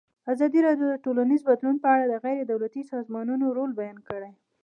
ازادي راډیو د ټولنیز بدلون په اړه د غیر دولتي سازمانونو رول بیان کړی.